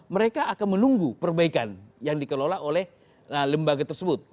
mereka akan menunggu perbaikan yang dikelola oleh lembaga tersebut